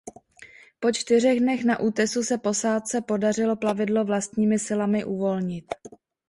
Po čtyřech dnech na útesu se posádce podařilo plavidlo vlastními silami uvolnit.